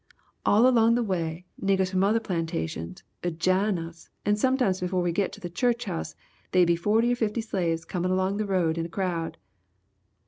All along the way niggers from other plantations 'ud jine us and sometimes befo' we git to the church house they'd be forty or fifty slaves comin' along the road in a crowd!